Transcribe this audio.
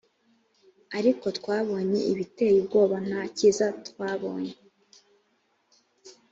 ariko twabonye ibiteye ubwoba nta cyiza twabonye